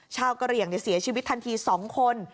ชาวกะเรียงเสียชีวิตทันทีสองคน